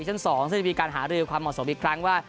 ชั้น๒ซึ่งจะมีการหารือความเหมาะสมอีกครั้งว่า